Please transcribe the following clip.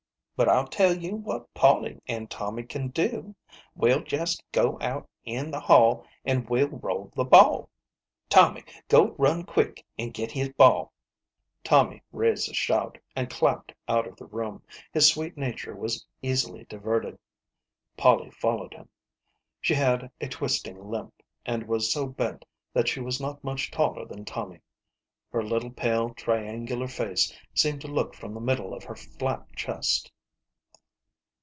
But I'll tell you what Polly an' Tom my can do. We'll jest go out in the hall an' we'll roll the ball. Tommy go run quick an' get his ball." Tommy raised a shout, and clapped out of the room ; his sweet nature was easily diverted. Polly followed him. She had a twisting limp, and was so bent that she was not much taller than Tommy, her little pale triangular face seemed to look from the middle of her flat chest.